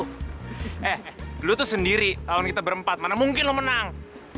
eh lo tuh sendiri tahun kita berempat mana mungkin lo menang